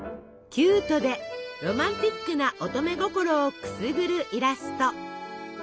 キュートでロマンチックな乙女心をくすぐるイラスト。